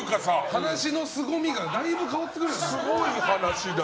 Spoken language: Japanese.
話のすごみがだいぶ変わってくるよね。